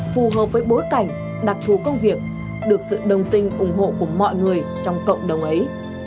phù hợp với bối cảnh đặc thù công việc được sự đồng tình ủng hộ của mọi người trong cộng đồng ấy